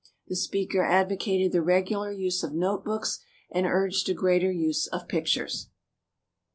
The speaker advocated the regular use of note books and urged a greater use of pictures.